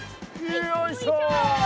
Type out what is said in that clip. よいしょ！